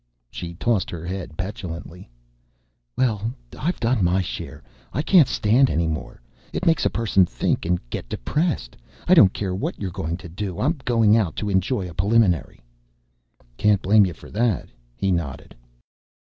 She tossed her head petulantly. "Well, I've done my share. I can't stand any more. It makes a person think and get depressed. I don't care what you're going to do. I'm going out to enjoy a Preliminary." "Can't blame you for that," he nodded.